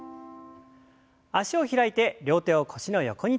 脚を開いて両手を腰の横にとりましょう。